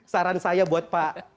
saran saya buat pak